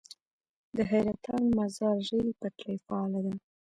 د حیرتان - مزار ریل پټلۍ فعاله ده؟